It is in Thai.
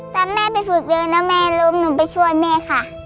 สับแม่ไปฝึกเดือนแล้วแม่รูปหนูไปช่วยแม่ค่ะ